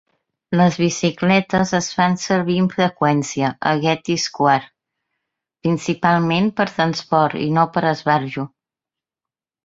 Les bicicletes es fan servir amb freqüència a Getty Square, principalment per transport i no per esbarjo.